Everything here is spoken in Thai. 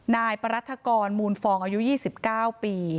นายปรัฐกรมูลฟองอายุ๒๙ปี